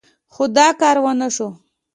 خو دا کار ونه شو.